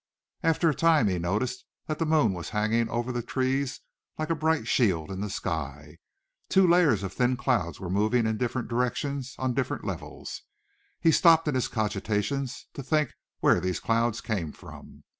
After a time he noticed that the moon was hanging over the trees like a bright shield in the sky. Two layers of thin clouds were moving in different directions on different levels. He stopped in his cogitations to think where these clouds came from.